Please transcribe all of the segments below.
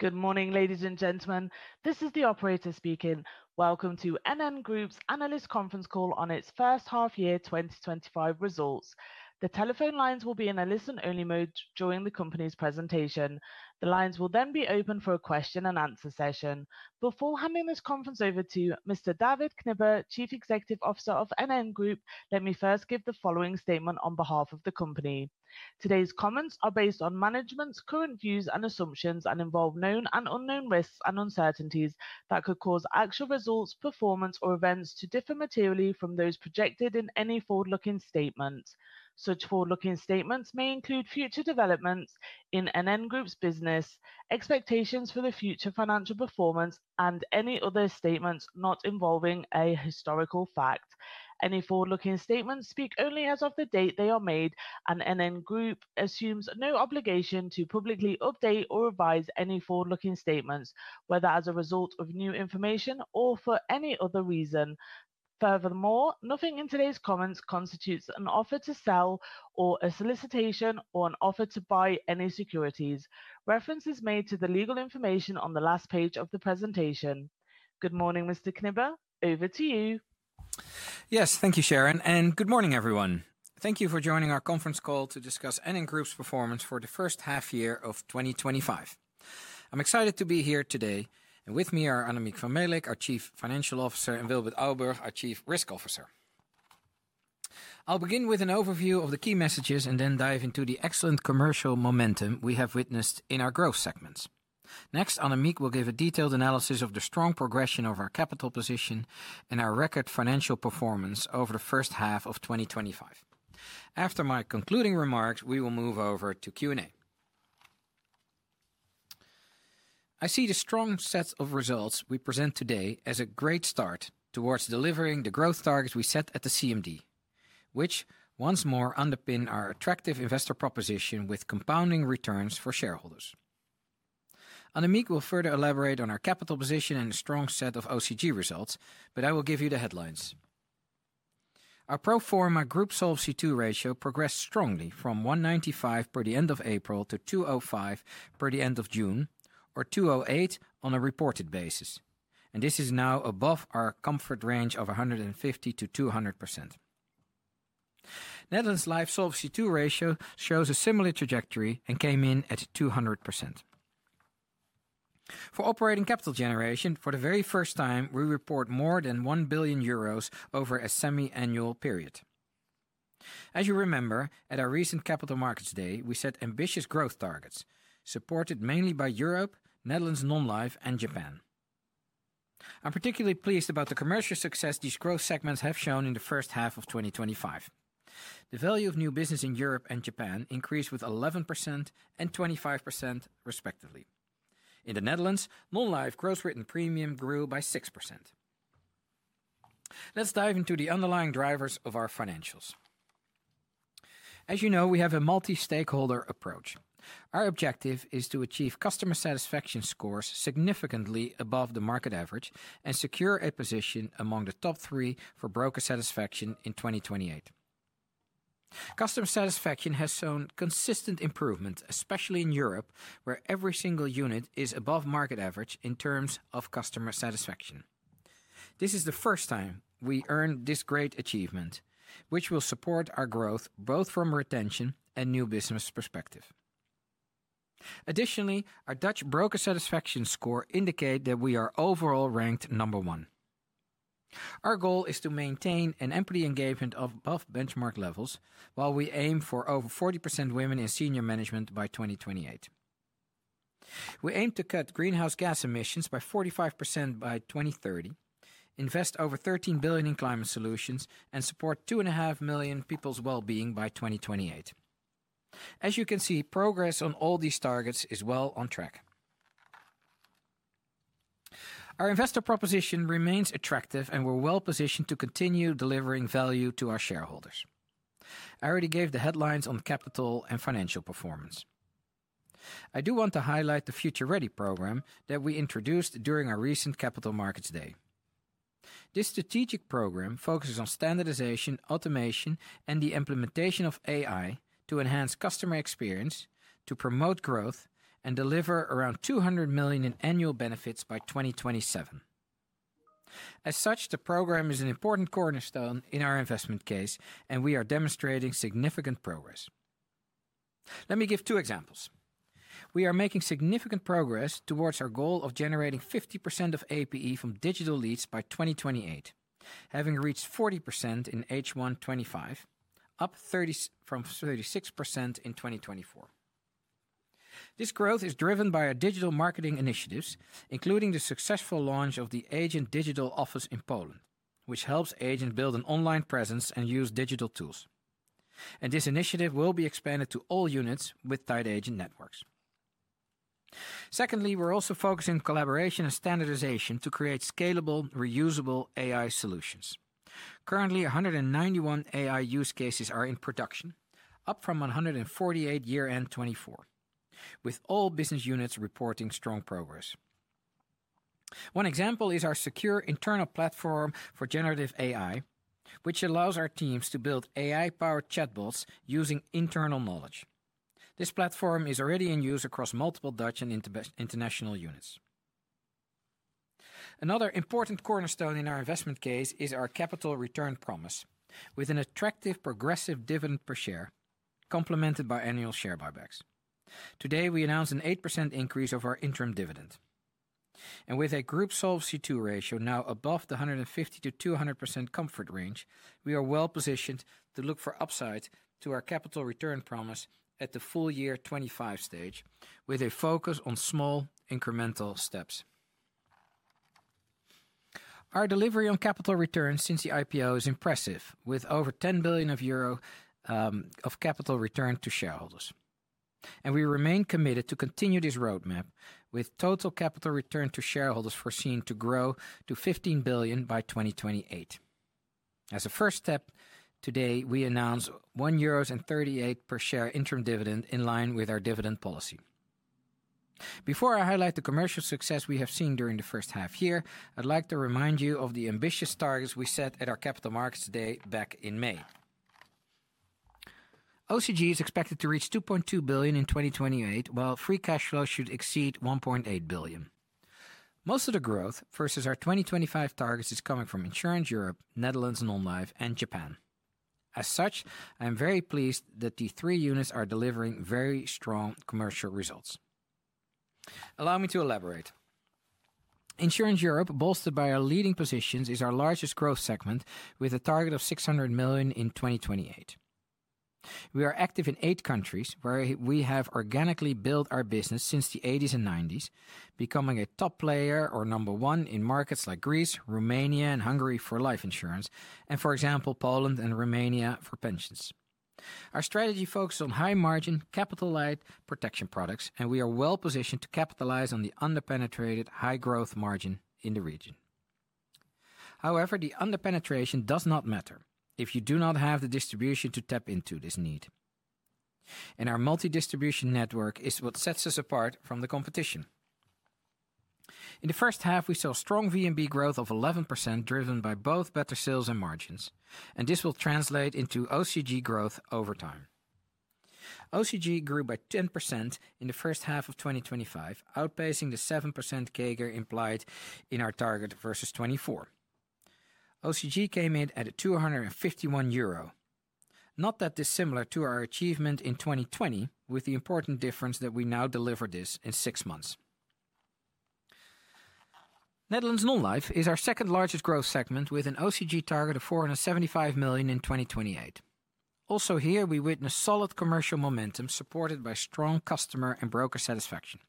Good morning, ladies and gentlemen. This is the operator speaking. Welcome to NN Group's analyst conference call on its first half-year 2025 results. The telephone lines will be in a listen-only mode during the company's presentation. The lines will then be open for a question and answer session. Before handing this conference over to Mr. David Knibbe, Chief Executive Officer of NN Group, let me first give the following statement on behalf of the company. Today's comments are based on management's current views and assumptions and involve known and unknown risks and uncertainties that could cause actual results, performance, or events to differ materially from those projected in any forward-looking statements. Such forward-looking statements may include future developments in NN Group's business, expectations for the future financial performance, and any other statements not involving a historical fact. Any forward-looking statements speak only as of the date they are made, and NN Group assumes no obligation to publicly update or revise any forward-looking statements, whether as a result of new information or for any other reason. Furthermore, nothing in today's comments constitutes an offer to sell or a solicitation or an offer to buy any securities. Reference is made to the legal information on the last page of the presentation. Good morning, Mr. Knibbe. Over to you. Yes, thank you, Sharon, and good morning, everyone. Thank you for joining our conference call to discuss NN Group's performance for the first half-year of 2025. I'm excited to be here today, and with me are Annemiek van Melick, our Chief Financial Officer, and Wilbert Ouburg, our Chief Risk Officer. I'll begin with an overview of the key messages and then dive into the excellent commercial momentum we have witnessed in our growth segments. Next, Annemiek will give a detailed analysis of the strong progression of our capital position and our record financial performance over the first half of 2025. After my concluding remarks, we will move over to Q&A. I see the strong set of results we present today as a great start towards delivering the growth targets we set at the CMD, which once more underpin our attractive investor proposition with compounding returns for shareholders. Annemiek will further elaborate on our capital position and the strong set of OCG results, but I will give you the headlines. Our Pro-forma Group Solvency II ratio progressed strongly from 195% per the end of April to 205% per the end of June, or 208% on a reported basis, and this is now above our comfort range of 150% to 200%. Netherlands Life Solvency II ratio shows a similar trajectory and came in at 200%. For operating capital generation, for the very first time, we report more than 1 billion euros over a semi-annual period. As you remember, at our recent Capital Markets Day, we set ambitious growth targets, supported mainly by Europe, Netherlands Non-life, and Japan. I'm particularly pleased about the commercial success these growth segments have shown in the first half of 2025. The value of new business in Europe and Japan increased with 11% and 25%, respectively. In the Netherlands, Non-life, gross written premium grew by 6%. Let's dive into the underlying drivers of our financials. As you know, we have a multi-stakeholder approach. Our objective is to achieve customer satisfaction scores significantly above the market average and secure a position among the top three for broker satisfaction in 2028. Customer satisfaction has shown consistent improvements, especially in Europe, where every single unit is above market average in terms of customer satisfaction. This is the first time we earned this great achievement, which will support our growth both from a retention and new business perspective. Additionally, our Dutch broker satisfaction score indicates that we are overall ranked number one. Our goal is to maintain an employee engagement of above benchmark levels while we aim for over 40% women in senior management by 2028. We aim to cut greenhouse gas emissions by 45% by 2030, invest over 13 billion in climate solutions, and support 2.5 million people's well-being by 2028. As you can see, progress on all these targets is well on track. Our investor proposition remains attractive, and we're well positioned to continue delivering value to our shareholders. I already gave the headlines on capital and financial performance. I do want to highlight the Future Ready programme that we introduced during our recent Capital Markets Day. This strategic programme focuses on standardization, automation, and the implementation of AI to enhance customer experience, to promote growth, and deliver around 200 million in annual benefits by 2027. As such, the programme is an important cornerstone in our investment case, and we are demonstrating significant progress. Let me give two examples. We are making significant progress towards our goal of generating 50% of APE from digital leads by 2028, having reached 40% in H1 2025, up from 36% in 2024. This growth is driven by our digital marketing initiatives, including the successful launch of the Agent Digital Office in Poland, which helps agents build an online presence and use digital tools. This initiative will be expanded to all units with tied agent networks. Secondly, we're also focusing on collaboration and standardization to create scalable, reusable AI solutions. Currently, 191 AI use cases are in production, up from 148 year-end 2024, with all business units reporting strong progress. One example is our secure internal platform for generative AI, which allows our teams to build AI-powered chatbots using internal knowledge. This platform is already in use across multiple Dutch and international units. Another important cornerstone in our investment case is our capital return promise, with an attractive progressive dividend per share, complemented by annual share buybacks. Today, we announced an 8% increase of our interim dividend. With a Group Solvency II ratio now above the 150%-200% comfort range, we are well positioned to look for upside to our capital return promise at the full year 2025 stage, with a focus on small incremental steps. Our delivery on capital returns since the IPO is impressive, with over 10 billion euro of capital return to shareholders. We remain committed to continue this roadmap, with total capital return to shareholders foreseen to grow to 15 billion by 2028. As a first step, today we announce 1.38 euros per share interim dividend in line with our dividend policy. Before I highlight the commercial success we have seen during the first half year, I'd like to remind you of the ambitious targets we set at our Capital Markets Day back in May. OCG is expected to reach 2.2 billion in 2028, while free cash flow should exceed 1.8 billion. Most of the growth versus our 2025 targets is coming from Insurance Europe, Netherlands Non-life, and Japan. I am very pleased that the three units are delivering very strong commercial results. Allow me to elaborate. Insurance Europe, bolstered by our leading positions, is our largest growth segment, with a target of 600 million in 2028. We are active in eight countries where we have organically built our business since the 1980s and 1990s, becoming a top player or number one in markets like Greece, Romania, and Hungary for life insurance, and for example, Poland and Romania for pensions. Our strategy focuses on high-margin capital-led protection products, and we are well positioned to capitalize on the underpenetrated high-growth margin in the region. However, the underpenetration does not matter if you do not have the distribution to tap into this need. Our multi-distribution network is what sets us apart from the competition. In the first half, we saw strong VNB growth of 11%, driven by both better sales and margins, and this will translate into OCG growth over time. OCG grew by 10% in the first half of 2025, outpacing the 7% CAGR implied in our target versus 2024. OCG came in at 251 million euro, not that dissimilar to our achievement in 2020, with the important difference that we now deliver this in six months. Netherlands Non-life is our second largest growth segment, with an OCG target of 475 million in 2028. Also here, we witnessed solid commercial momentum supported by strong customer and broker satisfaction.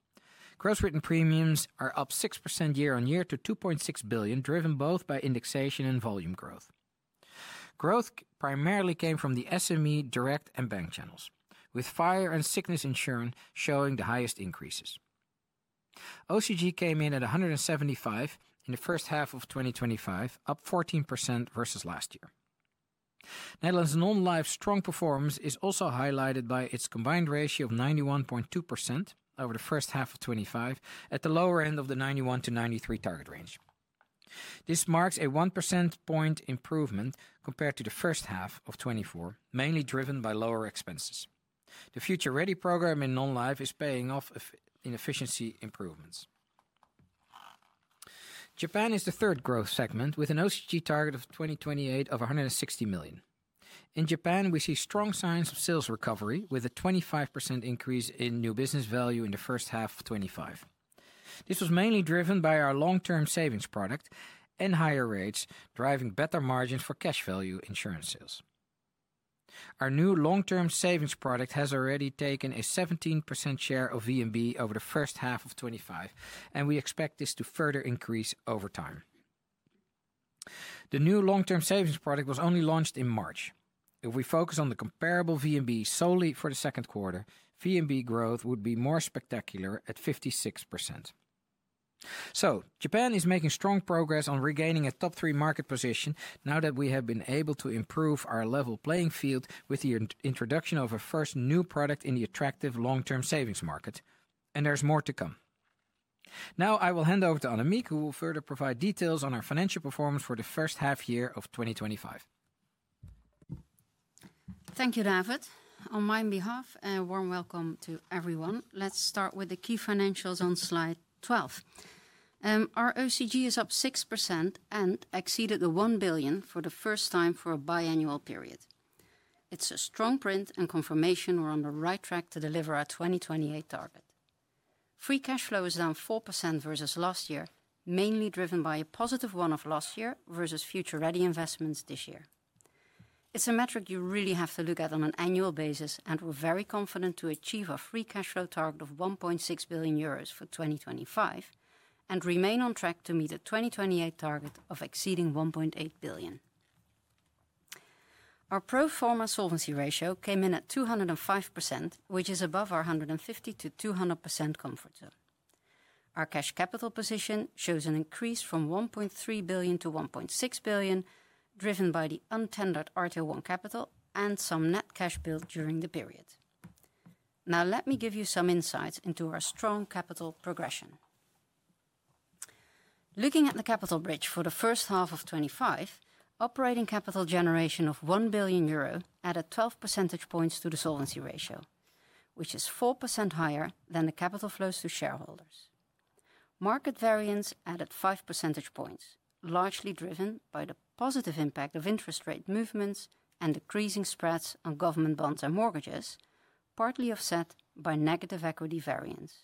Gross written premiums are up 6% year-on-year to 2.6 billion, driven both by indexation and volume growth. Growth primarily came from the SME, direct, and bank channels, with fire and sickness insurance showing the highest increases. OCG came in at 175 million in the first half of 2025, up 14% versus last year. Netherlands Non-life's strong performance is also highlighted by its combined ratio of 91.2% over the first half of 2025, at the lower end of the 91 to 93 target range. This marks a 1 percentage point improvement compared to the first half of 2024, mainly driven by lower expenses. The Future Ready programme in Non-life is paying off in efficiency improvements. Japan is the third growth segment, with an OCG target for 2028 of 160 million. In Japan, we see strong signs of sales recovery, with a 25% increase in value of new business in the first half of 2025. This was mainly driven by our long-term savings product and higher rates, driving better margins for cash value insurance sales. Our new long-term savings product has already taken a 17% share of VNB over the first half of 2025, and we expect this to further increase over time. The new long-term savings product was only launched in March. If we focus on the comparable VNB solely for the second quarter, VNB growth would be more spectacular at 56%. Japan is making strong progress on regaining a top-three market position now that we have been able to improve our level playing field with the introduction of a first new product in the attractive long-term savings market. There is more to come. Now, I will hand over to Annemiek, who will further provide details on our financial performance for the first half-year of 2025. Thank you, David. On my behalf, a warm welcome to everyone. Let's start with the key financials on slide 12. Our OCG is up 6% and exceeded the 1 billion for the first time for a biannual period. It's a strong print and confirmation we're on the right track to deliver our 2028 target. Free cash flow is down 4% versus last year, mainly driven by a positive one-off last year versus Future Ready investments this year. It's a metric you really have to look at on an annual basis, and we're very confident to achieve a free cash flow target of 1.6 billion euros for 2025 and remain on track to meet the 2028 target of exceeding 1.8 billion. Pro-forma Solvency ratio came in at 205%, which is above our 150%-200% comfort zone. Our cash capital position shows an increase from 1.3 billion-1.6 billion, driven by the untendered RTO1 capital and some net cash built during the period. Now, let me give you some insights into our strong capital progression. Looking at the capital bridge for the first half of 2025, operating capital generation of 1 billion euro added 12 percentage points to the solvency ratio, which is 4% higher than the capital flows to shareholders. Market variance added 5 percentage points, largely driven by the positive impact of interest rate movements and the decreasing spreads on government bonds and mortgages, partly offset by negative equity variance.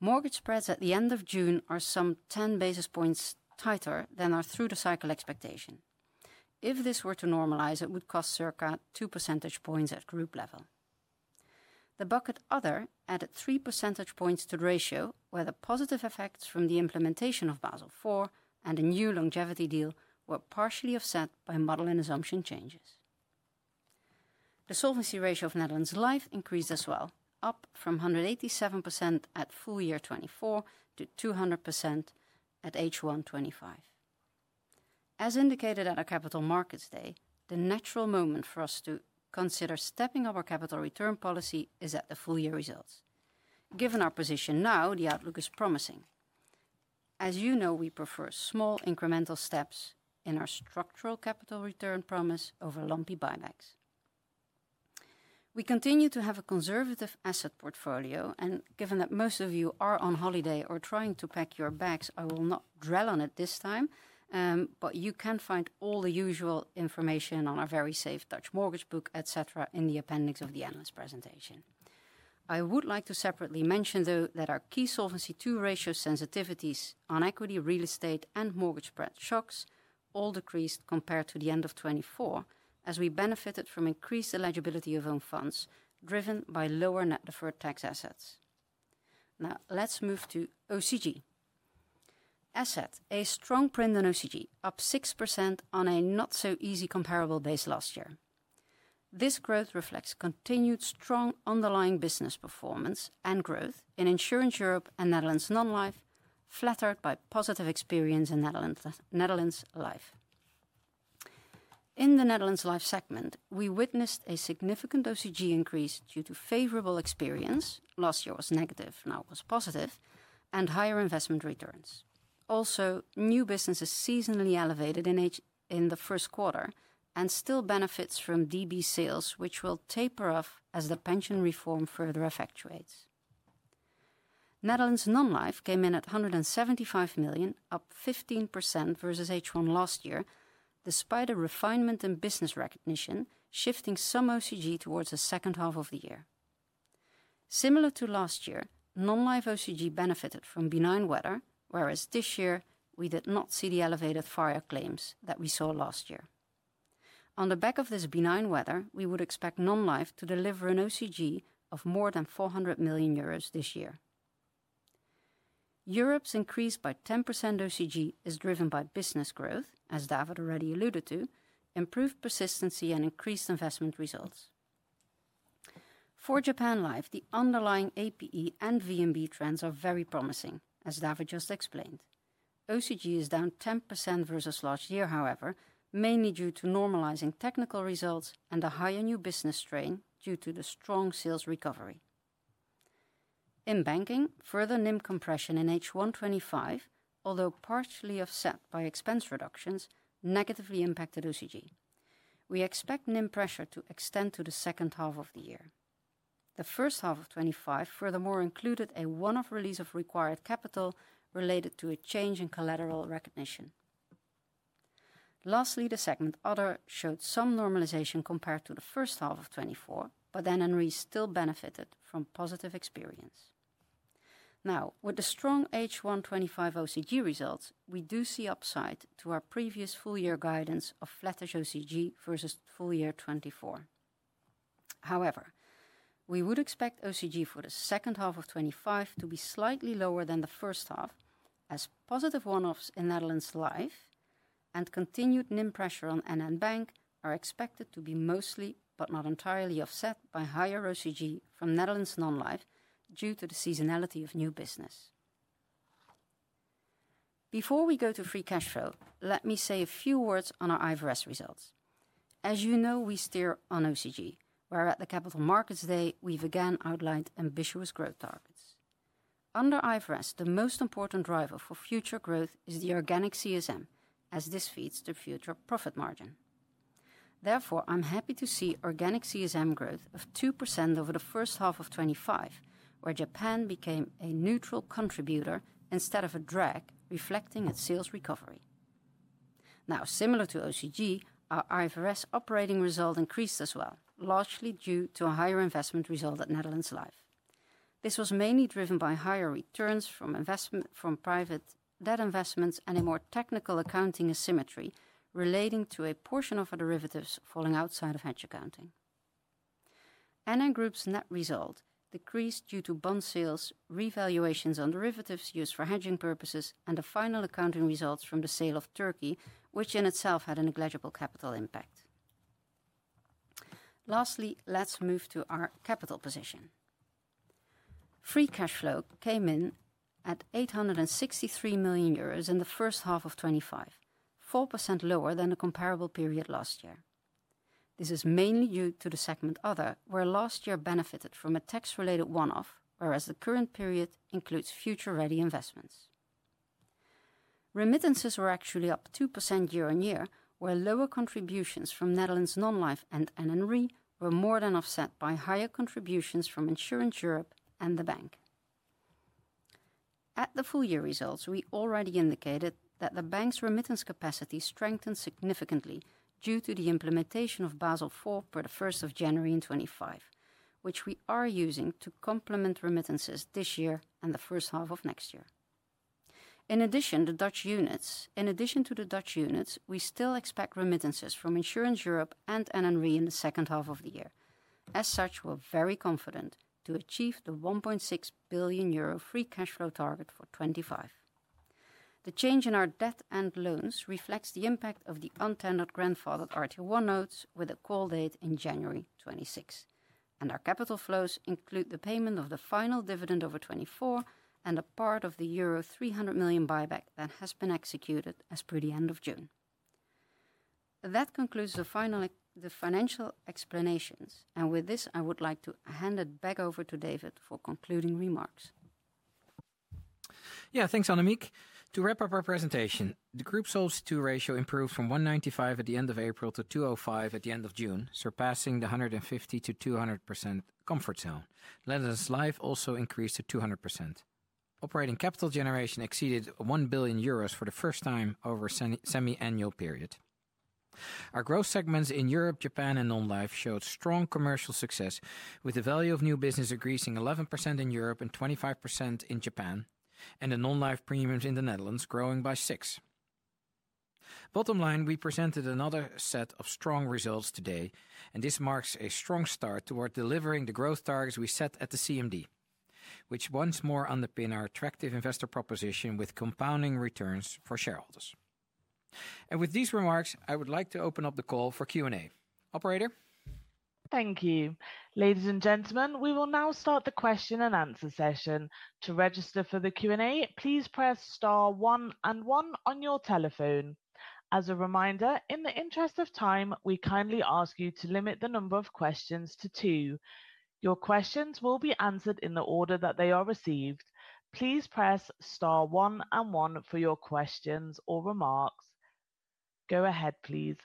Mortgage spreads at the end of June are some 10 basis points tighter than our through-the-cycle expectation. If this were to normalize, it would cost circa 2 percentage points at group level. The bucket other added 3 percentage points to the ratio, where the positive effects from the implementation of Basel IV and the new longevity deal were partially offset by model and assumption changes. The solvency ratio of Netherlands Life increased as well, up from 187% at full year 2024, to 200% at H1-25. As indicated at our Capital Markets Day, the natural moment for us to consider stepping up our capital return policy is at the full year results. Given our position now, the outlook is promising. As you know, we prefer small incremental steps in our structural capital return promise over lumpy buybacks. We continue to have a conservative asset portfolio, and given that most of you are on holiday or trying to pack your bags, I will not dwell on it this time, but you can find all the usual information on our very safe Dutch mortgage book, etc., in the appendix of the analyst presentation. I would like to separately mention, though, that our key Solvency II ratio sensitivities on equity, real estate, and mortgage spread shocks all decreased compared to the end of 2024, as we benefited from increased eligibility of own funds, driven by lower net deferred tax assets. Now, let's move to OCG. A strong print on OCG, up 6% on a not-so-easy comparable base last year. This growth reflects continued strong underlying business performance and growth in Insurance Europe and Netherlands Non-life, flattered by positive experience in Netherlands Life. In the Netherlands Life segment, we witnessed a significant OCG increase due to favorable experience; last year was negative, now it was positive, and higher investment returns. Also, new business is seasonally elevated in the first quarter and still benefits from DB sales, which will taper off as the pension reform further effectuates. Netherlands Non-life came in at 175 million, up 15% versus H1 last year, despite a refinement in business recognition, shifting some OCG towards the second half of the year. Similar to last year, Non-life OCG benefited from benign weather, whereas this year we did not see the elevated fire claims that we saw last year. On the back of this benign weather, we would expect Non-life to deliver an OCG of more than 400 million euros this year. Europe's increase by 10% OCG is driven by business growth, as David already alluded to, improved persistency, and increased investment results. For Japan Life, the underlying APE and VNB trends are very promising, as David just explained. OCG is down 10% versus last year, however, mainly due to normalizing technical results and a higher new business strain due to the strong sales recovery. In banking, further NIM compression in H1 2025, although partially offset by expense reductions, negatively impacted OCG. We expect NIM pressure to extend to the second half of the year. The first half of 2025 furthermore included a one-off release of required capital related to a change in collateral recognition. Lastly, the segment Other showed some normalization compared to the first half of 2024, and we still benefited from positive experience. Now, with the strong H1 2025 OCG results, we do see upside to our previous full-year guidance of flattish OCG versus full year 2024. However, we would expect OCG for the second half of 2025 to be slightly lower than the first half, as positive one-offs in Netherlands Life and continued NIM pressure on NN Bank are expected to be mostly, but not entirely, offset by higher OCG from Netherlands Non-life due to the seasonality of new business. Before we go to free cash flow, let me say a few words on our IFRS results. As you know, we steer on OCG, where at the Capital Markets Day, we've again outlined ambitious growth targets. Under IFRS, the most important driver for future growth is the organic CSM, as this feeds the future profit margin. Therefore, I'm happy to see organic CSM growth of 2% over the first half of 2025, where Japan became a neutral contributor instead of a drag reflecting its sales recovery. Now, similar to OCG, our IFRS operating result increased as well, largely due to a higher investment result at Netherlands Life. This was mainly driven by higher returns from private debt investments and a more technical accounting asymmetry relating to a portion of our derivatives falling outside of hedge accounting. NN Group's net result decreased due to bond sales, revaluations on derivatives used for hedging purposes, and the final accounting results from the sale of Turkey, which in itself had a negligible capital impact. Lastly, let's move to our capital position. Free cash flow came in at 863 million euros in the first half of 2025, 4% lower than the comparable period last year. This is mainly due to the segment Other, where last year benefited from a tax-related one-off, whereas the current period includes Future Ready investments. Remittances were actually up 2% year-on-year, where lower contributions from Netherlands Non-life and NN Re were more than offset by higher contributions from Insurance Europe and the bank. At the full year results, we already indicated that the bank's remittance capacity strengthened significantly due to the implementation of Basel IV per the 1st of January in 2025, which we are using to complement remittances this year and the first half of next year. In addition to the Dutch units, we still expect remittances from Insurance Europe and NN Re in the second half of the year. As such, we're very confident to achieve the 1.6 billion euro free cash flow target for 2025. The change in our debt and loans reflects the impact of the untendered grandfathered RTO1 notes with a call date in January 2026, and our capital flows include the payment of the final dividend over 2024 and a part of the euro 300 million buyback that has been executed as per the end of June. That concludes the financial explanations, and with this, I would like to hand it back over to David for concluding remarks. Yeah, thanks, Annemiek. To wrap up our presentation, the Group Solvency II ratio improved from 195% at the end of April to 205% at the end of June, surpassing the 150%-200% comfort zone. Netherlands Life also increased to 200%. Operating capital generation exceeded 1 billion euros for the first time over a semi-annual period. Our growth segments in Europe, Japan, and Non-life showed strong commercial success, with the value of new business increasing 11% in Europe and 25% in Japan, and the Non-life premiums in the Netherlands growing by 6%. Bottom line, we presented another set of strong results today, and this marks a strong start toward delivering the growth targets we set at the CMD, which once more underpin our attractive investor proposition with compounding returns for shareholders. With these remarks, I would like to open up the call for Q&A. Operator? Thank you. Ladies and gentlemen, we will now start the question and answer session. To register for the Q&A, please press star one and one on your telephone. As a reminder, in the interest of time, we kindly ask you to limit the number of questions to two. Your questions will be answered in the order that they are received. Please press star one and one for your questions or remarks. Go ahead, please.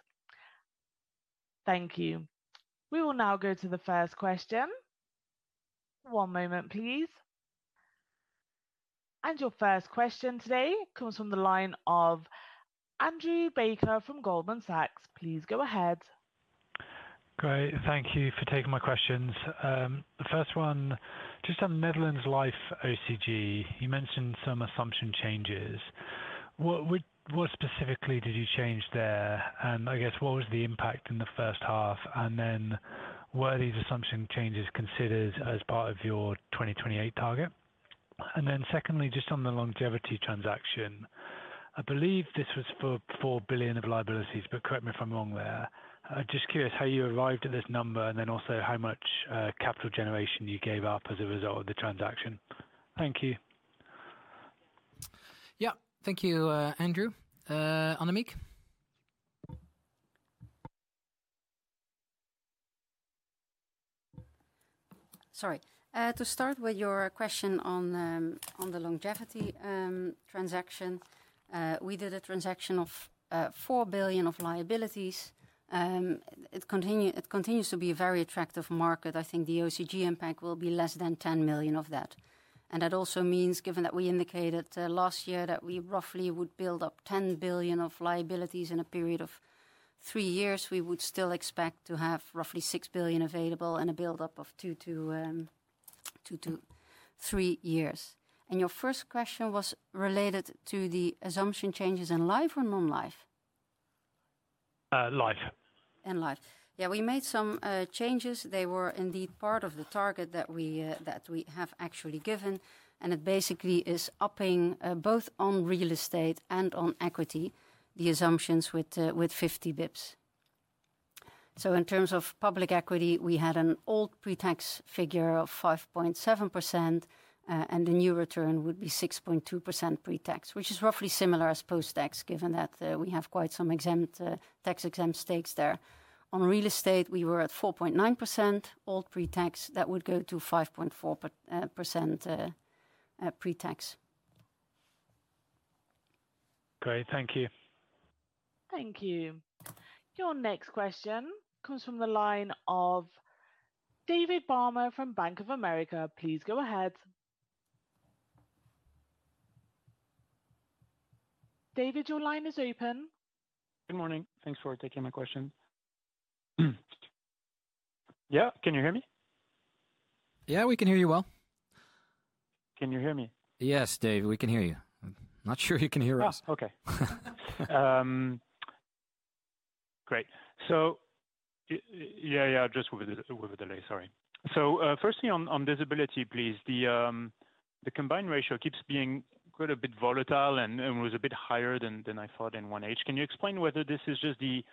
Thank you. We will now go to the first question. One moment, please. Your first question today comes from the line of Andrew Baker from Goldman Sachs. Please go ahead. Great. Thank you for taking my questions. The first one, just on Netherlands Life OCG, you mentioned some assumption changes. What specifically did you change there? What was the impact in the first half? Were these assumption changes considered as part of your 2028 target? Secondly, just on the longevity transaction, I believe this was for 4 billion of liabilities, but correct me if I'm wrong there. I'm just curious how you arrived at this number and how much capital generation you gave up as a result of the transaction. Thank you. Yeah, thank you, Andrew. Annemiek? Sorry. To start with your question on the longevity transaction, we did a transaction of 4 billion of liabilities. It continues to be a very attractive market. I think the OCG impact will be less than 10 million of that. That also means, given that we indicated last year that we roughly would build up 10 billion of liabilities in a period of three years, we would still expect to have roughly 6 billion available in a build-up of two to three years. Your first question was related to the assumption changes in Life or Non-life? Life. In life, we made some changes. They were indeed part of the target that we have actually given, and it basically is upping both on real estate and on equity, the assumptions with 50 bps. In terms of public equity, we had an old pre-tax figure of 5.7%, and the new return would be 6.2% pre-tax, which is roughly similar as post-tax, given that we have quite some tax-exempt stakes there. On real estate, we were at 4.9% old pre-tax. That would go to 5.4% pre-tax. Great, thank you. Thank you. Your next question comes from the line of David Barma from Bank of America. Please go ahead. David, your line is open. Good morning. Thanks for taking my question. Can you hear me? Yeah, we can hear you well. Can you hear me? Yes, David, we can hear you. I'm not sure you can hear us. Great. On visibility, please. The combined ratio keeps being quite a bit volatile and was a bit higher than I thought in 1H. Can you explain whether this is just the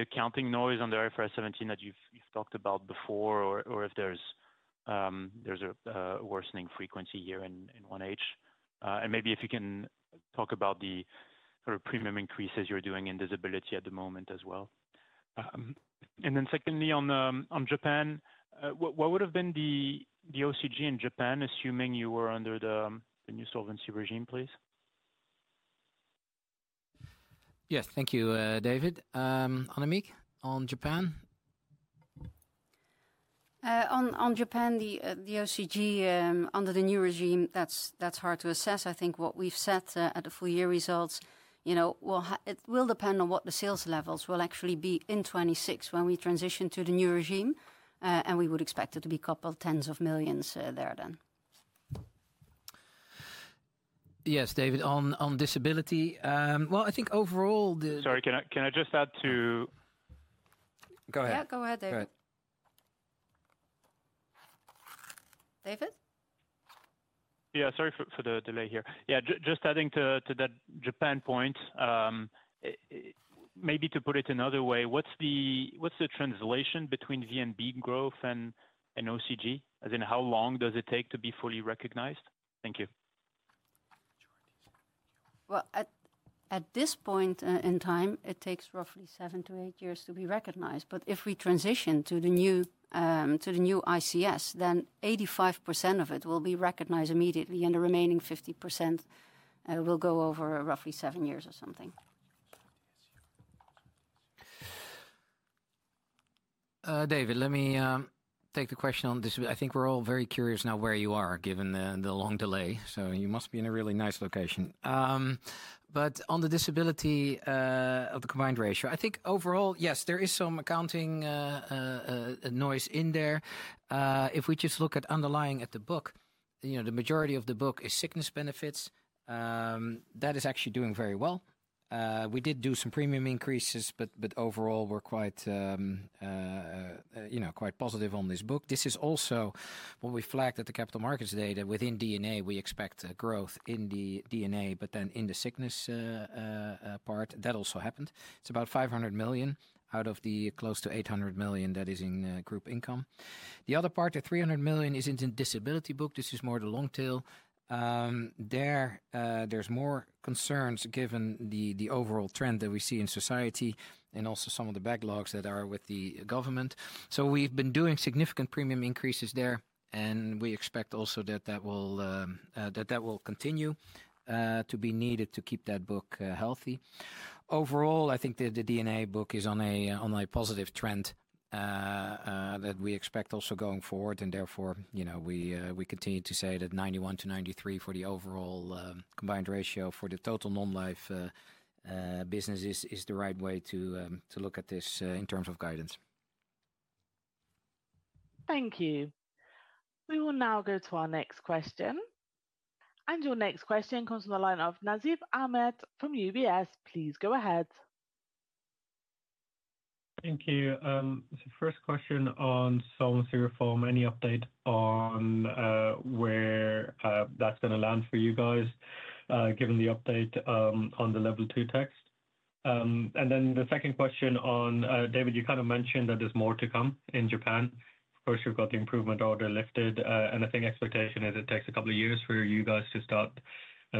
accounting noise on the IFRS 17 that you've talked about before or if there's a worsening frequency here in 1H? Maybe if you can talk about the sort of premium increases you're doing in visibility at the moment as well. Secondly, on Japan, what would have been the OCG in Japan, assuming you were under the new solvency regime, please? Yeah, thank you, David. Annemiek, on Japan? On Japan, the OCG under the new regime, that's hard to assess. I think what we've set at the full year results, you know, it will depend on what the sales levels will actually be in 2026 when we transition to the new regime, and we would expect it to be a couple of tens of millions there then. Yes, David, on visibility. I think overall the. Sorry, can I just add to that. Go ahead. Yeah, go ahead, David. Go ahead. David? Sorry for the delay here. Just adding to that Japan point, maybe to put it another way, what's the translation between VNB growth and OCG? As in, how long does it take to be fully recognized? Thank you. At this point in time, it takes roughly seven to eight years to be recognized. If we transition to the new ICS, then 85% of it will be recognized immediately, and the remaining 50% will go over roughly seven years or something. David, let me take the question on this. I think we're all very curious now where you are, given the long delay. You must be in a really nice location. On the disability of the combined ratio, I think overall, yes, there is some accounting noise in there. If we just look at underlying at the book, the majority of the book is sickness benefits. That is actually doing very well. We did do some premium increases, but overall, we're quite positive on this book. This is also what we flagged at the Capital Markets Day, that within DNA, we expect growth in the DNA, but then in the sickness part, that also happened. It's about 500 million out of the close to 800 million that is in group income. The other part, the 300 million, is in the disability book. This is more the long tail. There, there's more concerns given the overall trend that we see in society and also some of the backlogs that are with the government. We've been doing significant premium increases there, and we expect also that that will continue to be needed to keep that book healthy. Overall, I think the DNA book is on a positive trend that we expect also going forward, and therefore, we continue to say that 91%-93% for the overall combined ratio for the total non-life businesses is the right way to look at this in terms of guidance. Thank you. We will now go to our next question. Your next question comes from the line of Nasib Ahmed from UBS. Please go ahead. Thank you. First question on solvency reform and the update on where that's going to land for you guys, given the update on the level two tax. The second question on, David, you kind of mentioned that there's more to come in Japan. First, you've got the improvement order lifted, and I think the expectation is it takes a couple of years for you guys to start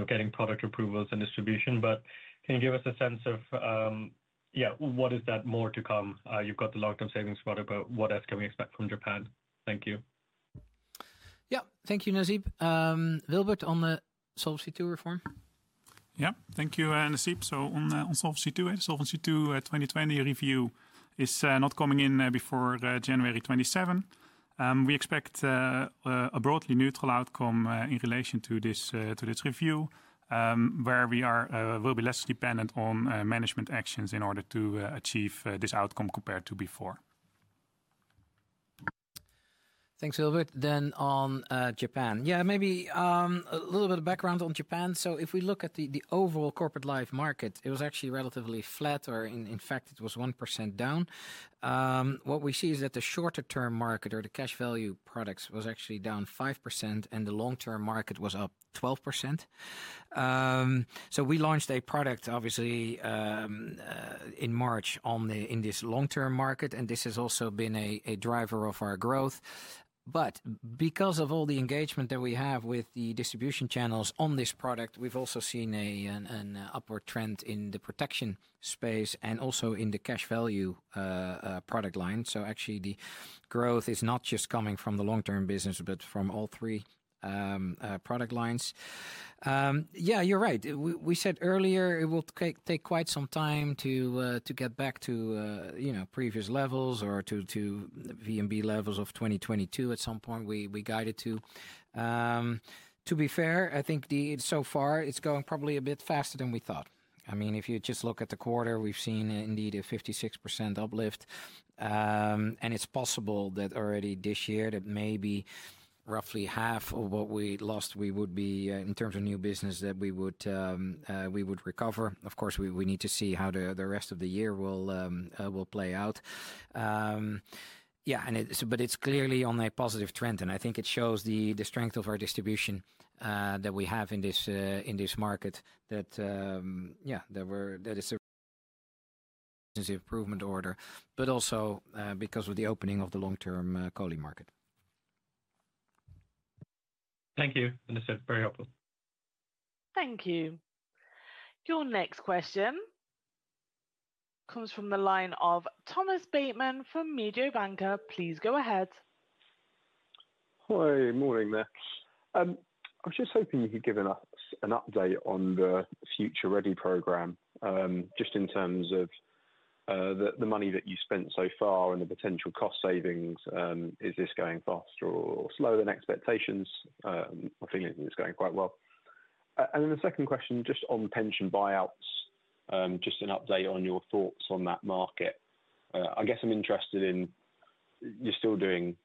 getting product approvals and distribution. Can you give us a sense of what is that more to come? You've got the long-term savings product, but what else can we expect from Japan? Thank you. Yeah, thank you, Nasib. Wilbert, on the Solvency II reform? Thank you, Nasib. On Solvency II, the Solvency II 2020 review is not coming in before January 2027. We expect a broadly neutral outcome in relation to this review, where we will be less dependent on management actions in order to achieve this outcome compared to before. Thanks, Wilbert. On Japan, maybe a little bit of background on Japan. If we look at the overall Corporate Life market, it was actually relatively flat, or in fact, it was 1% down. What we see is that the shorter-term market or the cash value products was actually down 5%, and the long-term market was up 12%. We launched a product, obviously, in March in this long-term market, and this has also been a driver of our growth. Because of all the engagement that we have with the distribution channels on this product, we've also seen an upward trend in the protection space and also in the cash value product line. The growth is not just coming from the long-term business, but from all three product lines. You're right. We said earlier it will take quite some time to get back to previous levels or to value of new business (VNB) levels of 2022 at some point we guided to. To be fair, I think so far it's going probably a bit faster than we thought. If you just look at the quarter, we've seen indeed a 56% uplift, and it's possible that already this year that maybe roughly half of what we lost, we would be in terms of new business that we would recover. Of course, we need to see how the rest of the year will play out. It's clearly on a positive trend, and I think it shows the strength of our distribution that we have in this market that is an improvement order, but also because of the opening of the long-term calling market. Thank you. This is very helpful. Thank you. Your next question comes from the line of Thomas Bateman from Mediobanca. Please go ahead. Hi, morning there. I was just hoping you could give an update on the Future Ready program, just in terms of the money that you spent so far and the potential cost savings. Is this going faster or slower than expectations? I'm feeling it's going quite well. The second question, just on pension buyouts, just an update on your thoughts on that market. I guess I'm interested in you're still doing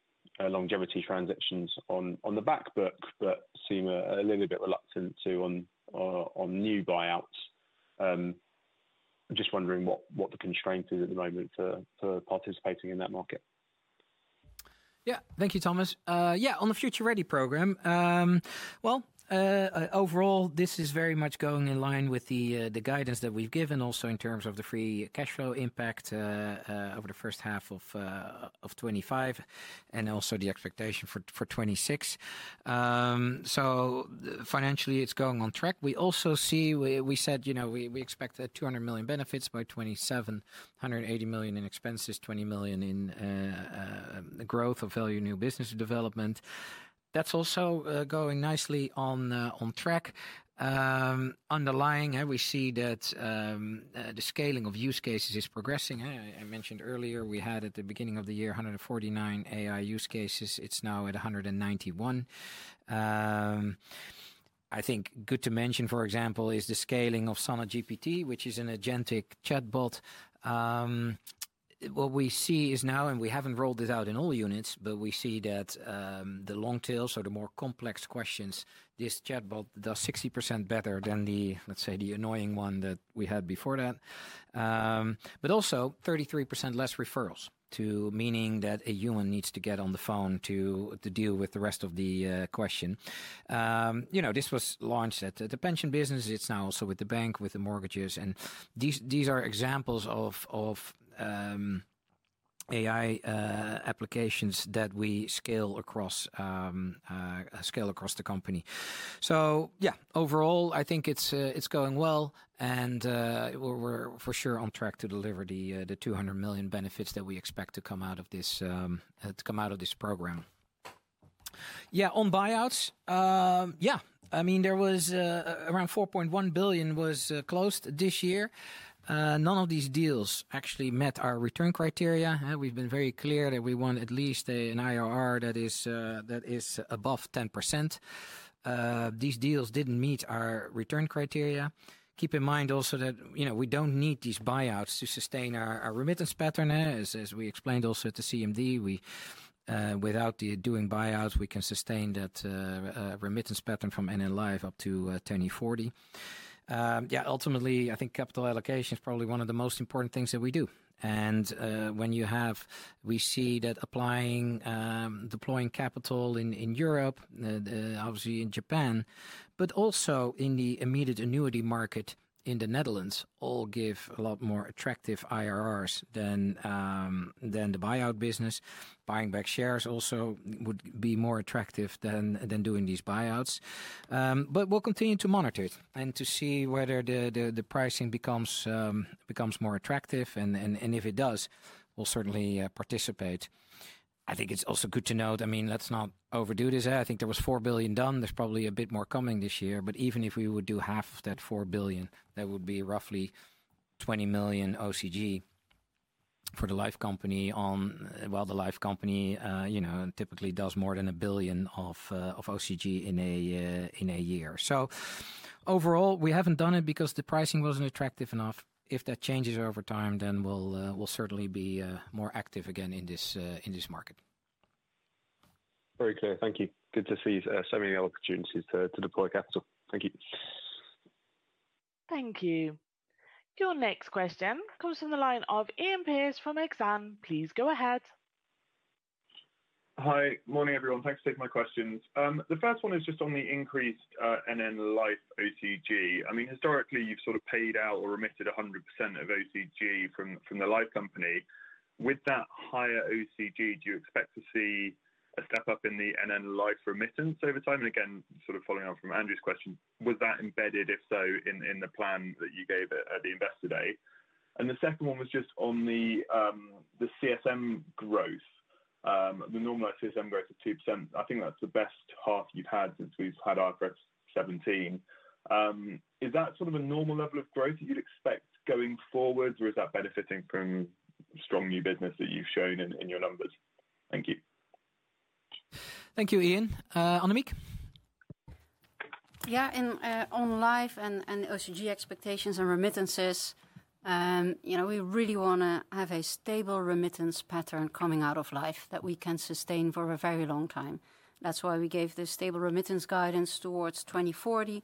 Longevity transactions on the backbook, but seem a little bit reluctant to on new buyouts. I'm just wondering what the constraint is at the moment for participating in that market. Thank you, Thomas. On the Future Ready program, this is very much going in line with the guidance that we've given also in terms of the free cash flow impact over the first half of 2025 and also the expectation for 2026. Financially, it's going on track. We also see, we said, you know, we expect 200 million benefits by 2027, 180 million in expenses, 20 million in growth of value of new business development. That's also going nicely on track. Underlying, we see that the scaling of use cases is progressing. I mentioned earlier, we had at the beginning of the year 149 AI use cases. It's now at 191. I think good to mention, for example, is the scaling of SonarGPT, which is an agentic chatbot. What we see is now, and we haven't rolled it out in all units, but we see that the long tail, so the more complex questions, this chatbot does 60% better than the, let's say, the annoying one that we had before that. Also, 33% less referrals to meaning that a human needs to get on the phone to deal with the rest of the question. This was launched at the pension business. It's now also with the bank, with the mortgages, and these are examples of AI applications that we scale across the company. Overall, I think it's going well, and we're for sure on track to deliver the 200 million benefits that we expect to come out of this program. On buyouts, there was around 4.1 billion closed this year. None of these deals actually met our return criteria. We've been very clear that we want at least an IRR that is above 10%. These deals didn't meet our return criteria. Keep in mind also that we don't need these buyouts to sustain our remittance pattern. As we explained also at the CMD, without doing buyouts, we can sustain that remittance pattern from NN Life up to 2040. Ultimately, I think capital allocation is probably one of the most important things that we do. When you have, we see that applying, deploying capital in Europe, obviously in Japan, but also in the Immediate Annuity market in the Netherlands, all give a lot more attractive IRRs than the buyout business. Buying back shares also would be more attractive than doing these buyouts. We'll continue to monitor it and to see whether the pricing becomes more attractive, and if it does, we'll certainly participate. I think it's also good to note, let's not overdo this. I think there was 4 billion done. There's probably a bit more coming this year, but even if we would do half of that 4 billion, that would be roughly 20 million OCG for the life company. The life company, you know, typically does more than 1 billion of OCG in a year. Overall, we haven't done it because the pricing wasn't attractive enough. If that changes over time, then we'll certainly be more active again in this market. Very clear. Thank you. Good to see so many opportunities to deploy capital. Thank you. Thank you. Your next question comes from the line of Iain Pearce from Exane. Please go ahead. Hi, morning everyone. Thanks for taking my questions. The first one is just on the increased NN Life OCG. Historically, you've sort of paid out or remitted 100% of OCG from the life company. With that higher OCG, do you expect to see a step up in the NN Life remittance over time? Following on from Andrew's question, was that embedded, if so, in the plan that you gave at the investor day? The second one was just on the CSM growth. The normalized CSM growth of 2%, I think that's the best half you've had since we've had IFRS 17. Is that sort of a normal level of growth that you'd expect going forward, or is that benefiting from strong new business that you've shown in your numbers? Thank you. Thank you, Iain. Annemiek? Yeah, and on life and OCG expectations and remittances, we really want to have a stable remittance pattern coming out of life that we can sustain for a very long time. That's why we gave this stable remittance guidance towards 2040.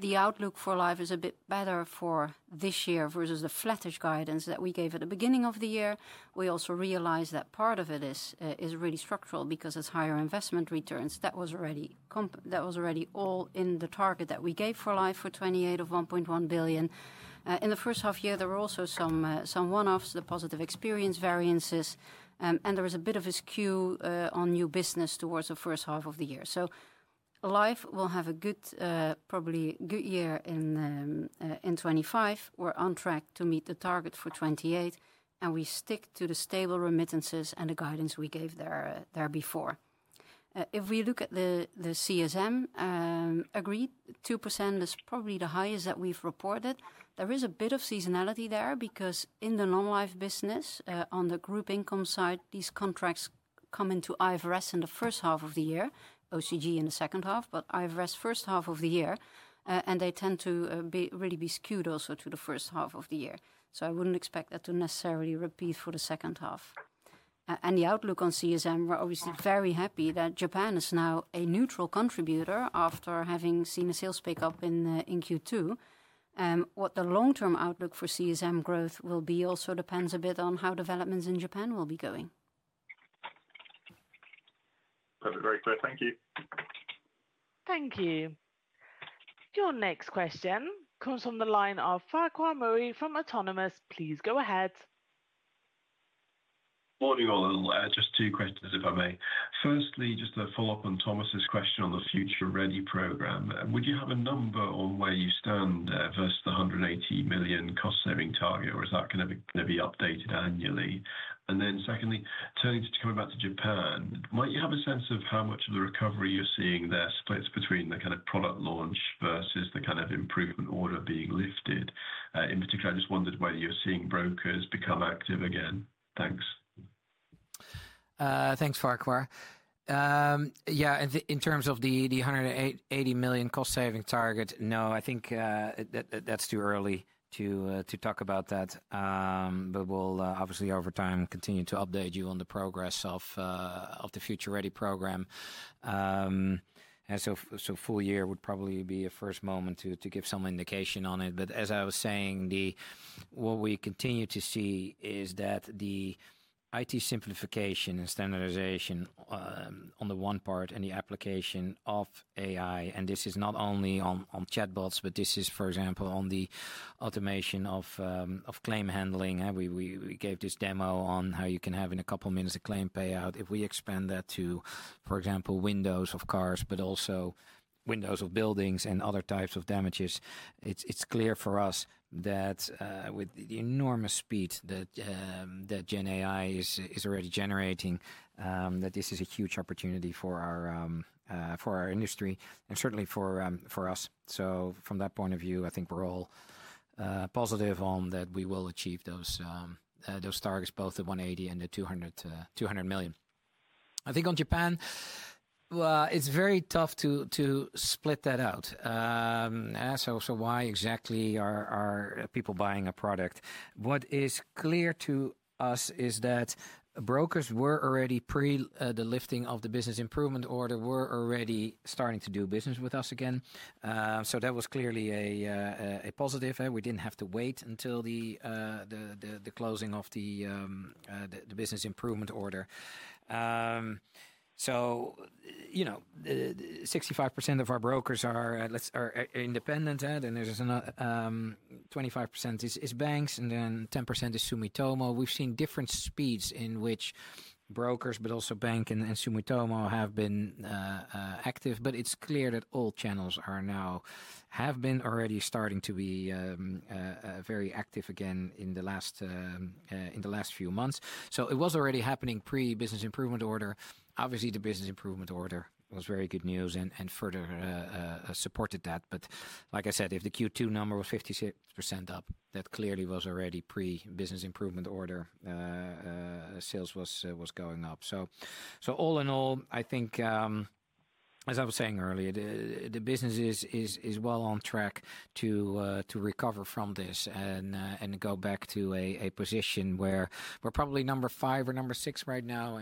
The outlook for life is a bit better for this year versus the flattish guidance that we gave at the beginning of the year. We also realized that part of it is really structural because it's higher investment returns. That was already all in the target that we gave for life for 2028 of 1.1 billion. In the first half year, there were also some one-offs, the positive experience variances, and there was a bit of a skew on new business towards the first half of the year. Life will have a good, probably good year in 2025. We're on track to meet the target for 2028, and we stick to the stable remittances and the guidance we gave there before. If we look at the CSM, agreed, 2% is probably the highest that we've reported. There is a bit of seasonality there because in the non-life business, on the group income side, these contracts come into IFRS in the first half of the year, OCG in the second half, but IFRS first half of the year, and they tend to really be skewed also to the first half of the year. I wouldn't expect that to necessarily repeat for the second half. The outlook on CSM, we're obviously very happy that Japan is now a neutral contributor after having seen a sales pickup in Q2. What the long-term outlook for CSM growth will be also depends a bit on how developments in Japan will be going. That's great, thank you. Thank you. Your next question comes from the line of Farquhar Murray fromAutonomous. Please go ahead. Morning all. Just two questions, if I may. Firstly, just a follow-up on Thomas's question on the Future Ready programme. Would you have a number on where you stand versus the 180 million cost-saving target, or is that going to be updated annually? Secondly, turning to coming back to Japan, might you have a sense of how much of the recovery you're seeing there splits between the kind of product launch versus the kind of improvement order being lifted? In particular, I just wondered whether you're seeing brokers become active again. Thanks. Thanks, Farquhar. Yeah, in terms of the 180 million cost-saving target, no, I think that's too early to talk about that. We'll obviously, over time, continue to update you on the progress of the Future Ready program. Full year would probably be a first moment to give some indication on it. As I was saying, what we continue to see is that the IT simplification and standardization on the one part and the application of AI, and this is not only on chatbots, but this is, for example, on the automation of claim handling. We gave this demo on how you can have, in a couple of minutes, a claim payout. If we expand that to, for example, windows of cars, but also windows of buildings and other types of damages, it's clear for us that with the enormous speed that GenAI is already generating, this is a huge opportunity for our industry and certainly for us. From that point of view, I think we're all positive on that we will achieve those targets, both the 180 million and the 200 million. I think on Japan, it's very tough to split that out. Why exactly are people buying a product? What is clear to us is that brokers were already, pre the lifting of the Business Improvement Order, starting to do business with us again. That was clearly a positive. We didn't have to wait until the closing of the Business Improvement Order. 65% of our brokers are independent, and there's another 25% that is banks, and then 10% is Sumitomo. We've seen different speeds in which brokers, but also bank and Sumitomo, have been active, but it's clear that all channels are now, have been already starting to be very active again in the last few months. It was already happening pre-Business Improvement Order. Obviously, the Business Improvement Order was very good news and further supported that. Like I said, if the Q2 number was 56% up, that clearly was already pre-Business Improvement Order sales was going up. All in all, I think, as I was saying earlier, the business is well on track to recover from this and go back to a position where we're probably number five or number six right now.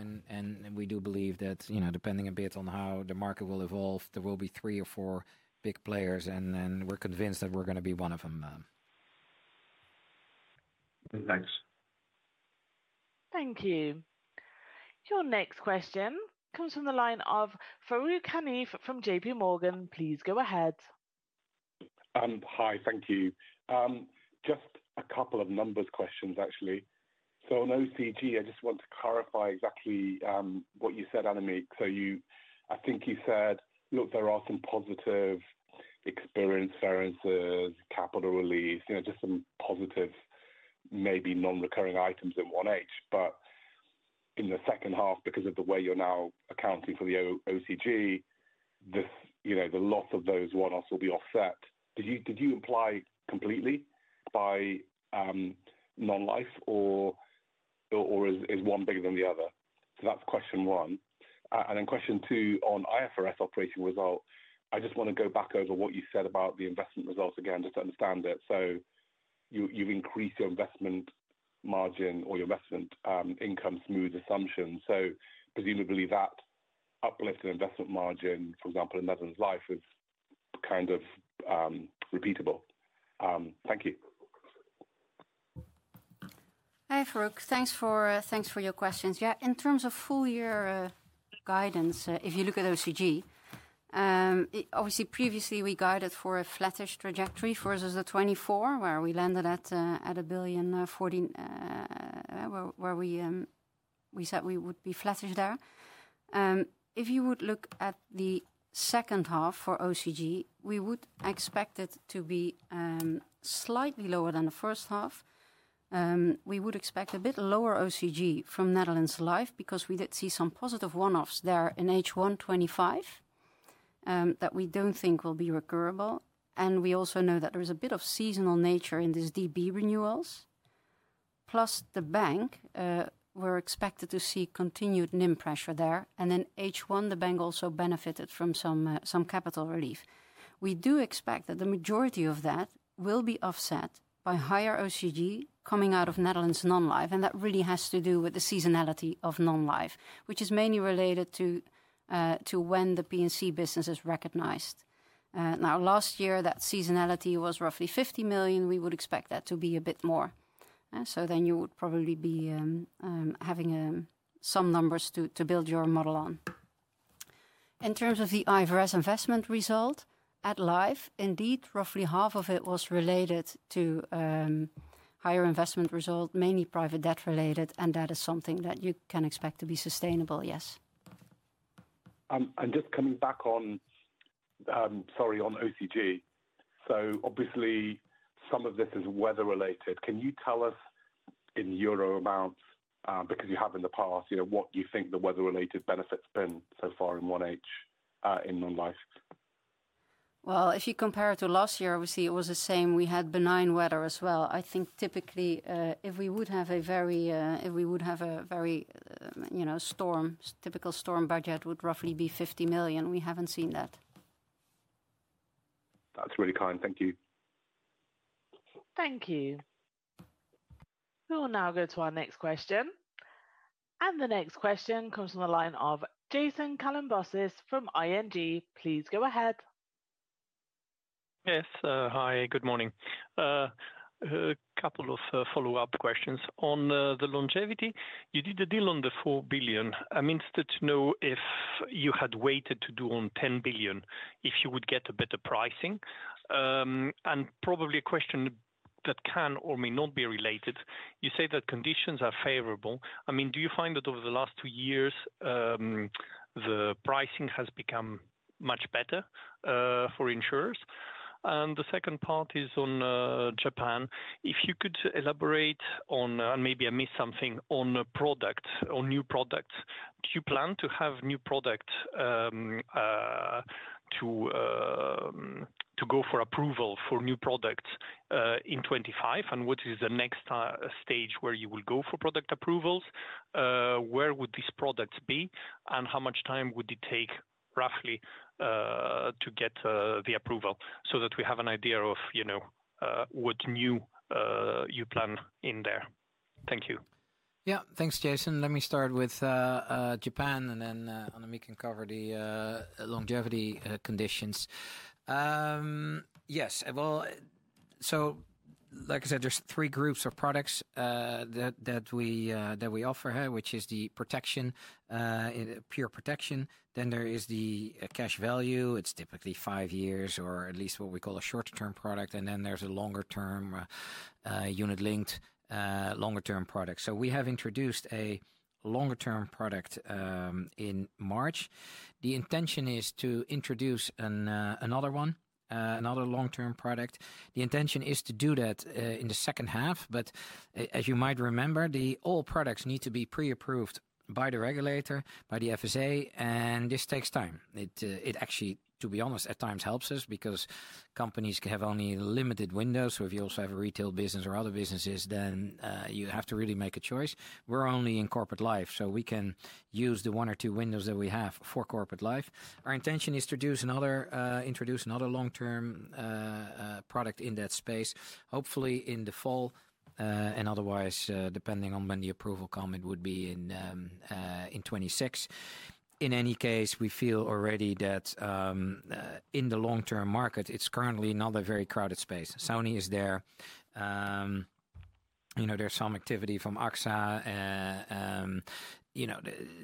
We do believe that, depending a bit on how the market will evolve, there will be three or four big players, and we're convinced that we're going to be one of them. Thanks. Thank you. Your next question comes from the line of Farooq Hanif from JPMorgan. Please go ahead. Hi, thank you. Just a couple of numbers questions, actually. On OCG, I just want to clarify exactly what you said, Annemiek. I think you said, look, there are some positive experience services, capital release, just some positive, maybe non-recurring items in 1H. In the second half, because of the way you're now accounting for the OCG, the loss of those one-offs will be offset. Did you imply completely by non-life or is one bigger than the other? That's question one. Question two on IFRS operating result. I just want to go back over what you said about the investment results again, just to understand it. You've increased your investment margin or your investment income smooth assumption. Presumably that uplift in investment margin, for example, in Netherlands Life, is kind of repeatable. Thank you. Hi Farooq, thanks for your questions. Yeah, in terms of full year guidance, if you look at OCG, obviously previously we guided for a flattish trajectory versus 2024, where we landed at [1.014 billion], where we said we would be flattish there. If you would look at the second half for OCG, we would expect it to be slightly lower than the first half. We would expect a bit lower OCG from Netherlands Life because we did see some positive one-offs there in H1 2025 that we don't think will be recurrable. We also know that there is a bit of seasonal nature in these DB renewals. Plus, the bank, we're expected to see continued NIM pressure there. In H1, the bank also benefited from some capital relief. We do expect that the majority of that will be offset by higher OCG coming out of Netherlands Non-life, and that really has to do with the seasonality of Non-life, which is mainly related to when the P&C business is recognized. Last year, that seasonality was roughly 50 million. We would expect that to be a bit more. You would probably be having some numbers to build your model on. In terms of the IFRS investment result at Life, indeed, roughly half of it was related to higher investment result, mainly private debt related, and that is something that you can expect to be sustainable, yes. I'm just coming back on OCG. Obviously, some of this is weather related. Can you tell us in euro amounts, because you have in the past, what you think the weather-related benefits have been so far in 1H in Non-life? If you compare it to last year, obviously, it was the same. We had benign weather as well. I think typically, if we would have a very, you know, storm, typical storm budget would roughly be 50 million. We haven't seen that. That's really kind. Thank you. Thank you. We will now go to our next question. The next question comes from the line of Jason Kalamboussis from ING. Please go ahead. Yes, hi, good morning. A couple of follow-up questions. On the longevity, you did the deal on the 4 billion. I'm interested to know if you had waited to do on $10 billion, if you would get a better pricing. You say that conditions are favorable. I mean, do you find that over the last two years, the pricing has become much better for insurers? The second part is on Japan. If you could elaborate on, and maybe I missed something, on products, on new products, do you plan to have new products to go for approval for new products in 2025? What is the next stage where you will go for product approvals? Where would these products be? How much time would it take roughly to get the approval so that we have an idea of, you know, what new you plan in there? Thank you. Yeah, thanks, Jason. Let me start with Japan and then Annemiek can cover the longevity conditions. Like I said, there's three groups of products that we offer here, which is the protection, pure protection. Then there is the cash value. It's typically five years or at least what we call a shorter-term product. Then there's a longer-term unit-linked longer-term product. We have introduced a longer-term product in March. The intention is to introduce another one, another long-term product. The intention is to do that in the second half, but as you might remember, all products need to be pre-approved by the regulator, by the FSA, and this takes time. It actually, to be honest, at times helps us because companies have only limited windows. If you also have a retail business or other businesses, then you have to really make a choice. We're only in Corporate Life, so we can use the one or two windows that we have for Corporate Life. Our intention is to introduce another long-term product in that space, hopefully in the fall, and otherwise, depending on when the approval comes, it would be in 2026. In any case, we feel already that in the long-term market, it's currently another very crowded space. Sony is there. There's some activity from AXA.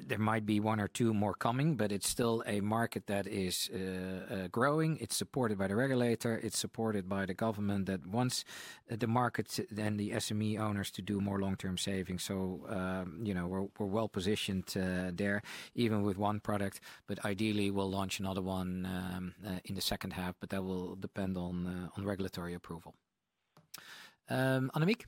There might be one or two more coming, but it's still a market that is growing. It's supported by the regulator. It's supported by the government that wants the markets and the SME owners to do more long-term savings. We're well positioned there, even with one product. Ideally, we'll launch another one in the second half, but that will depend on regulatory approval. Annemiek?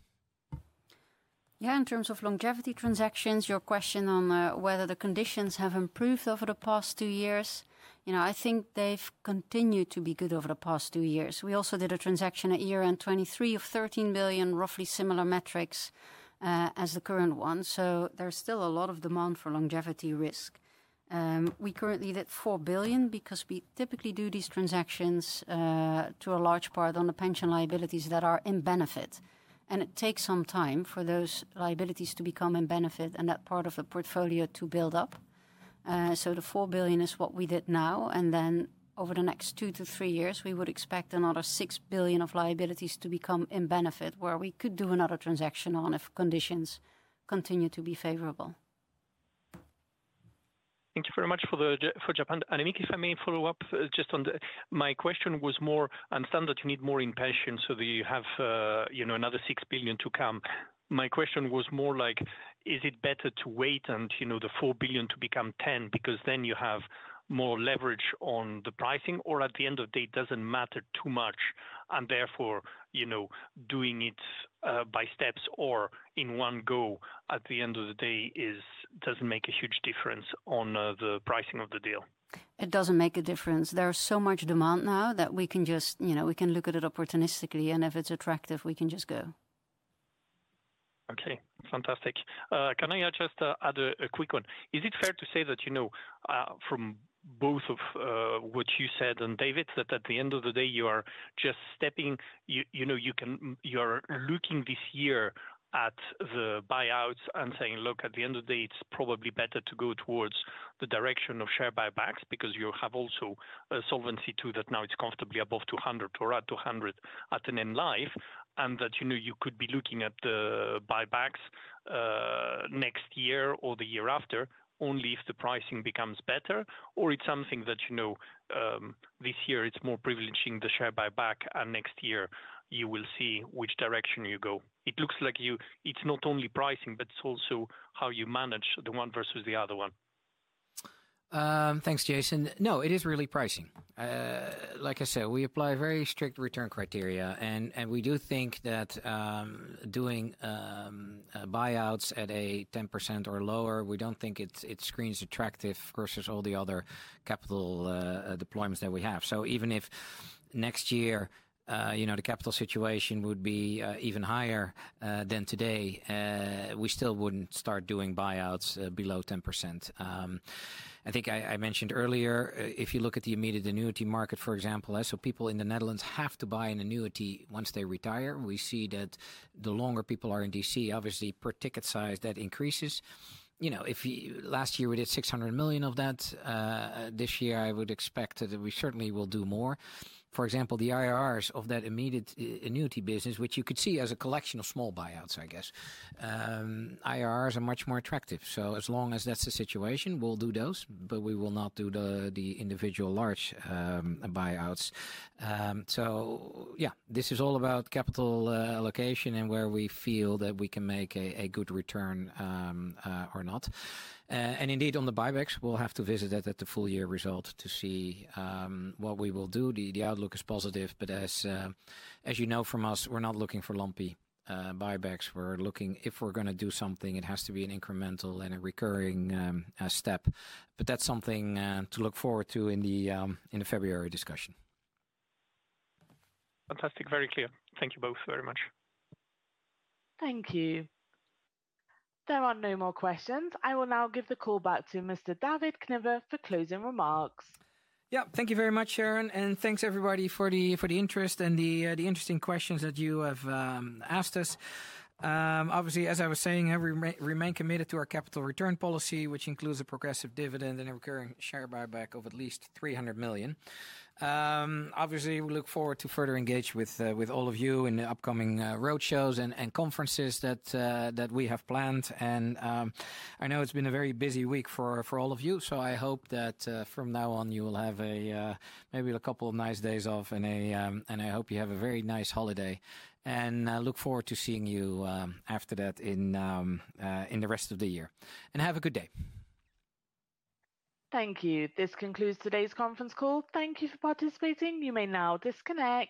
Yeah, in terms of Longevity transactions, your question on whether the conditions have improved over the past two years, I think they've continued to be good over the past two years. We also did a transaction a year in 2023 of 13 billion, roughly similar metrics as the current one. There's still a lot of demand for longevity risk. We currently did 4 billion because we typically do these transactions to a large part on the pension liabilities that are in benefit. It takes some time for those liabilities to become in benefit and that part of the portfolio to build up. The 4 billion is what we did now. Over the next two to three years, we would expect another 6 billion of liabilities to become in benefit where we could do another transaction if conditions continue to be favorable. Thank you very much for Japan. Annemiek, if I may follow up just on my question, I understand that you need more in pensions so that you have, you know, another $6 billion to come. My question was more like, is it better to wait and, you know, the $4 billion to become $10 billion because then you have more leverage on the pricing or at the end of the day, it doesn't matter too much and therefore, you know, doing it by steps or in one go at the end of the day doesn't make a huge difference on the pricing of the deal? It doesn't make a difference. There's so much demand now that we can just, you know, look at it opportunistically, and if it's attractive, we can just go. Okay, fantastic. Can I just add a quick one? Is it fair to say that, you know, from both of what you said and David, that at the end of the day, you are just stepping, you know, you can, you are looking this year at the buyouts and saying, look, at the end of the day, it's probably better to go towards the direction of share buybacks because you have also a Solvency II that now it's comfortably above 200 or at 200 at an end life. That, you know, you could be looking at the buybacks next year or the year after, only if the pricing becomes better or it's something that, you know, this year it's more privileging the share buyback and next year you will see which direction you go. It looks like it's not only pricing, but it's also how you manage the one versus the other one. Thanks, Jason. No, it is really pricing. Like I said, we apply very strict return criteria, and we do think that doing buyouts at a 10% or lower, we don't think it screens attractive versus all the other capital deployments that we have. Even if next year, you know, the capital situation would be even higher than today, we still wouldn't start doing buyouts below 10%. I think I mentioned earlier, if you look at the immediate annuity market, for example, people in the Netherlands have to buy an annuity once they retire. We see that the longer people are in DC, obviously per ticket size that increases. Last year we did 600 million of that. This year, I would expect that we certainly will do more. For example, the IRRs of that immediate annuity business, which you could see as a collection of small buyouts, I guess, IRRs are much more attractive. As long as that's the situation, we'll do those, but we will not do the individual large buyouts. This is all about capital allocation and where we feel that we can make a good return or not. Indeed, on the buybacks, we'll have to visit that at the full year result to see what we will do. The outlook is positive, but as you know from us, we're not looking for lumpy buybacks. If we're going to do something, it has to be an incremental and a recurring step. That's something to look forward to in the February discussion. Fantastic, very clear. Thank you both very much. Thank you. There are no more questions. I will now give the call back to Mr. David Knibbe for closing remarks. Thank you very much, Sharon, and thanks everybody for the interest and the interesting questions that you have asked us. Obviously, as I was saying, we remain committed to our capital return policy, which includes a progressive dividend and a recurring share buyback of at least 300 million. We look forward to further engage with all of you in the upcoming roadshows and conferences that we have planned. I know it's been a very busy week for all of you, so I hope that from now on you will have maybe a couple of nice days off, and I hope you have a very nice holiday. I look forward to seeing you after that in the rest of the year. Have a good day. Thank you. This concludes today's conference call. Thank you for participating. You may now disconnect.